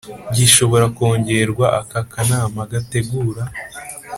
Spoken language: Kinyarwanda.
Gishobora kongerwa aka kanama gategura